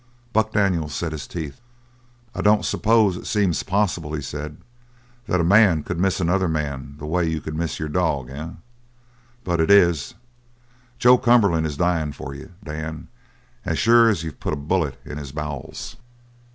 Buck Daniels set his teeth. "I don't suppose it seems possible," he said, "that a man could miss another man the way you could miss your dog, eh? But it is! Joe Cumberland is dying for you, Dan, as sure as if you'd put a bullet in his bowels."